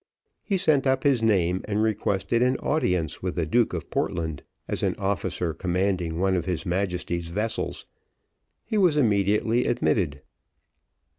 He sent up his name, and requested an audience with the Duke of Portland, as an officer commanding one of his Majesty's vessels: he was immediately admitted.